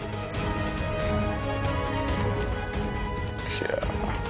いや。